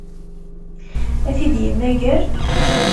Ad t-id-yemmager?